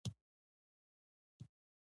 واوره د افغانستان د شنو سیمو یوه ښکلا ده.